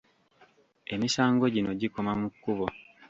Emisango gino gikoma mu kkubo.